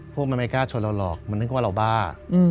พวกมันไม่กล้าชนเราหรอกมันนึกว่าเราบ้า